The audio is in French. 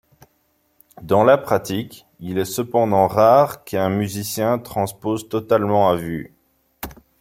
Dans la pratique, il est cependant rare qu'un musicien transpose totalement à vue.